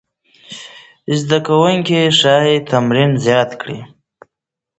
زده کوونکي ښايي تمرین زیات کړي.